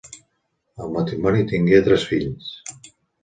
El matrimoni tingué tres fills.